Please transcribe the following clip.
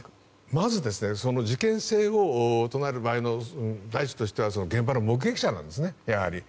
まず、事件性を唱える場合の第一としては現場の目撃者なんですねやはり。